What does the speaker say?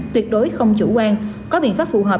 tuyệt đối không chủ quan có biện pháp phù hợp